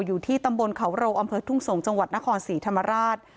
อยู่ที่ตำบิลเขาโทอทุ่งสผมจนะคร๔ธรรมรัส